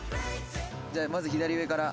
「じゃあまず左上から」